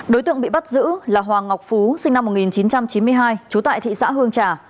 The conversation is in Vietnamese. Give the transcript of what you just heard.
đối tượng bị bắt giữ là hoàng ngọc phú sinh năm một nghìn chín trăm chín mươi hai trú tại thị xã hương trà